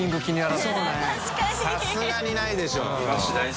さすがにないでしょ。